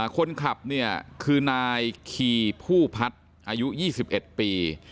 คนขับเนี่ยคือนายคีผู้พัฒน์อายุ๒๑ปี